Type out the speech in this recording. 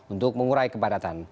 untuk mengurai kepadatan